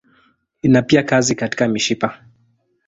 Ina pia kazi katika mishipa.